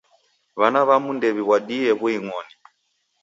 W'ana w'amu ndew'iw'adie w'uing'oni.